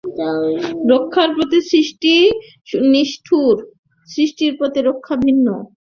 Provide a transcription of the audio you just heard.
রক্ষার প্রতি সৃষ্টি নিষ্ঠুর, সৃষ্টির প্রতি রক্ষা বিঘ্ন।